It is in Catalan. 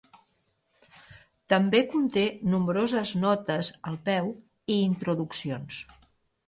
També conté nombroses notes al peu i introduccions.